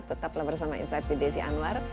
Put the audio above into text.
tetaplah bersama inside bd si anwar